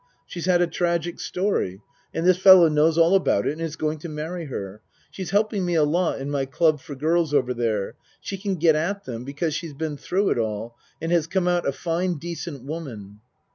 She's had a tragic story and this fellow knows all about it and is going to marry her. She is helping me a lot in my club for girls over there she can get at them because she's been through it all and has come out a fine, decent wo man.